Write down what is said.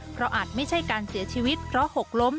เพราะอาจไม่ใช่การเสียชีวิตเพราะหกล้ม